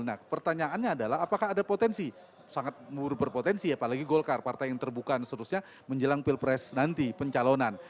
nah pertanyaannya adalah apakah ada potensi sangat berpotensi apalagi golkar partai yang terbuka dan seterusnya menjelang pilpres nanti pencalonan